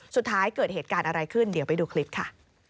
สุดท้ายเกิดเหตุการณ์อะไรขึ้นเดี๋ยวไปดูคลิปค่ะ